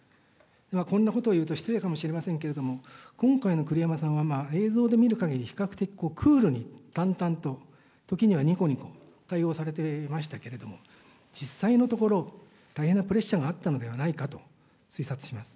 こんなことを言うと失礼かもしれませんけれども、今回の栗山さんは、映像で見るかぎり比較的クールに淡々と、時にはにこにこ対応されていましたけれども、実際のところ、大変なプレッシャーがあったのではないかと推察します。